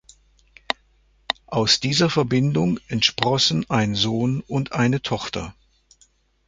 Aus dieser Verbindung entsprossen ein Sohn und eine Tochter.